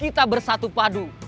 kita bersatu padu